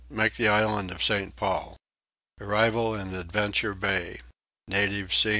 Make the Island of St. Paul. Arrival in Adventure Bay. Natives seen.